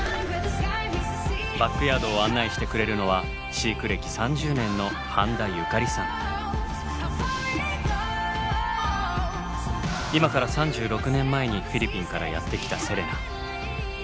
バックヤードを案内してくれるのは飼育歴３０年の今から３６年前にフィリピンからやって来たセレナ。